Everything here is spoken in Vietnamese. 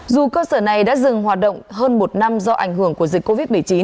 dù cơ sở này đã dừng hoạt động hơn một năm do ảnh hưởng của dịch covid một mươi chín